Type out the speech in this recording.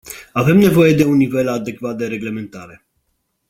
Avem nevoie de un nivel adecvat de reglementare.